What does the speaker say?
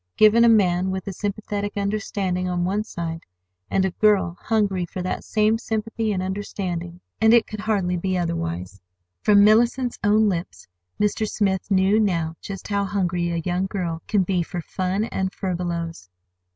Given a man with a sympathetic understanding on one side, and a girl hungry for that same sympathy and understanding, and it could hardly be otherwise. From Mellicent's own lips Mr. Smith knew now just how hungry a young girl can be for fun and furbelows.